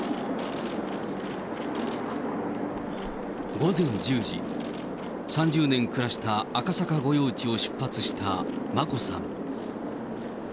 午前１０時、３０年暮らした赤坂御用地を出発した眞子さん。